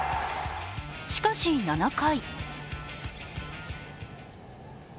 しかし７回。